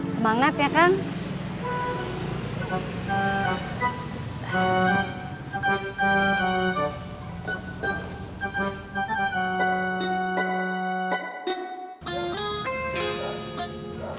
semangat ya kang